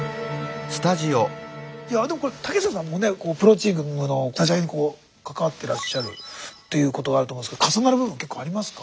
でも竹下さんもねプロチームの立ち上げに関わってらっしゃるということがあると思うんですけど重なる部分結構ありますか？